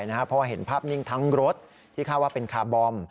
เพราะเห็นภาพนิ่งทั้งรถที่คาดว่าเป็นคาร์บอม